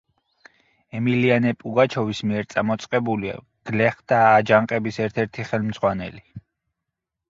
ემილიანე პუგაჩოვის მიერ წამოწყებული გლეხთა აჯანყების ერთ-ერთი ხელმძღვანელი.